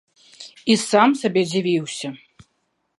І сам сабе дзівіўся.